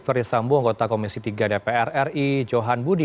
ferdisambo anggota komisi tiga dpr ri johan budi